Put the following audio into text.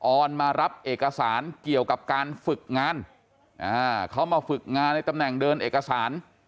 ออนมารับเอกสารเกี่ยวกับการฝึกงานเขามาฝึกงานในตำแหน่งเดินเอกสาร